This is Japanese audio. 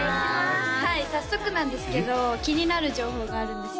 はい早速なんですけど気になる情報があるんですよ